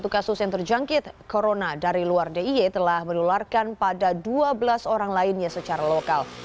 lima puluh satu kasus yang terjangkit corona dari luar diy telah menularkan pada dua belas orang lainnya secara lokal